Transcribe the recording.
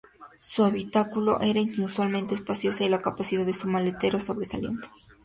Su habitáculo era inusualmente espaciosa, y la capacidad de su maletero sobresaliente.